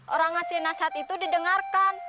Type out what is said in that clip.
orang ngasih nasihat itu didengarkan